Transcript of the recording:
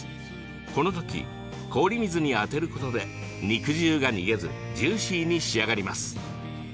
この時、氷水に当てることで肉汁が逃げずジューシーに仕上がります。